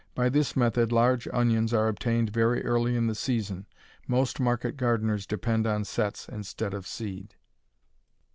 By this method large onions are obtained very early in the season. Most market gardeners depend on "sets" instead of seed.